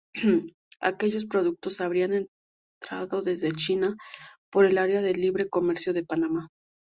Aquellos productos habrían entrado desde China, por el área de libre comercio de Panamá.